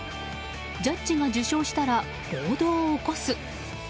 ジャッジが受賞したら暴動を起こす。